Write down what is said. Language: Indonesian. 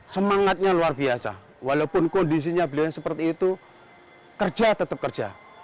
semangatnya luar biasa walaupun kondisinya beliau seperti itu kerja tetap kerja